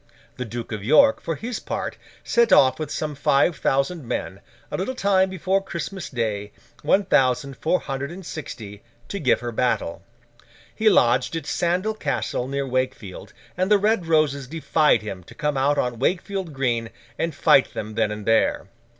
The Duke of York, for his part, set off with some five thousand men, a little time before Christmas Day, one thousand four hundred and sixty, to give her battle. He lodged at Sandal Castle, near Wakefield, and the Red Roses defied him to come out on Wakefield Green, and fight them then and there.